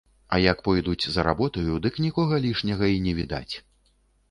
А як пойдуць за работаю, дык нікога лішняга і не відаць.